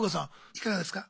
いかがですか？